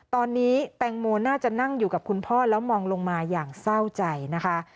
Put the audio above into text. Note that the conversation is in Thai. ตอนนี้แตงโมน่าจะนั่งอยู่กับคุณพ่อแล้วมองลงมาอย่างเศร้าใจนะคะ